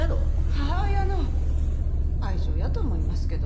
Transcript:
母親の愛情やと思いますけど。